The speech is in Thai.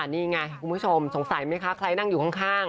นี่ไงคุณผู้ชมสงสัยไหมคะใครนั่งอยู่ข้าง